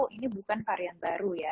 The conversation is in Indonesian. ini bukan varian baru ya